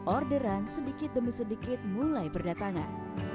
orderan sedikit demi sedikit mulai berdatangan